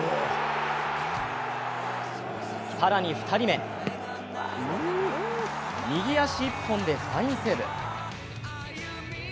更に２人目右足１本でファインセーブ。